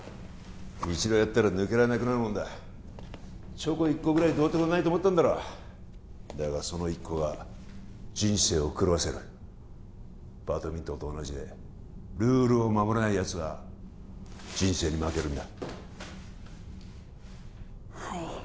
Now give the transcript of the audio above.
一度やったら抜けらんなくなるもんだチョコ１個ぐらいどうってことないと思ったんだろだがその１個が人生を狂わせるバドミントンと同じでルールを守らないやつは人生に負けるんだはい